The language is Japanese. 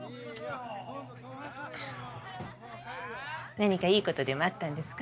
何かいい事でもあったんですか？